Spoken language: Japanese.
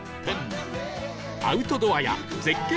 アウトドアや絶景